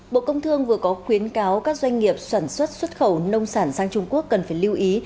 bộ công thương vừa có khuyến cáo các doanh nghiệp sản xuất xuất khẩu nông sản sang trung quốc cần phải lưu ý